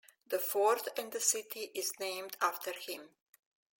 The fort and the city is named after him.